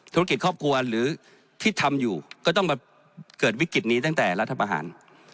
ธุรกิจครอบครัวหรือที่ทำอยู่ก็ต้องมาเกิดวิกฤตนี้ตั้งแต่รัฐประหาร